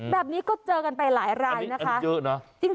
แบบนี้ก็เจอกันไปหลายลายนะคะอันนี้เจอะนะ